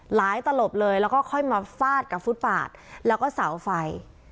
ตลบเลยแล้วก็ค่อยมาฟาดกับฟุตปาดแล้วก็เสาไฟ